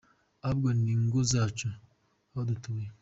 Ahubwo ni mu ngo zacu aho dutuye.